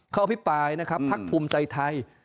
อภิปรายนะครับพักภูมิใจไทย